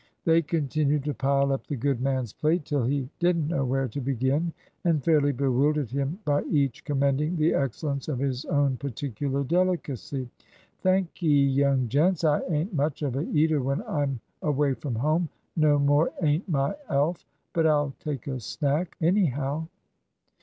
They continued to pile up the good man's plate till he didn't know where to begin, and fairly bewildered him by each commending the excellence of his own particular delicacy "Thank'ee, young gents. I ain't much of a eater when I'm away from home; no more ain't my Alf. But I'll take a snack, anyhow."